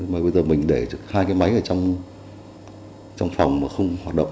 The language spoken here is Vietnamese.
bây giờ mình để hai máy ở trong phòng mà không hoạt động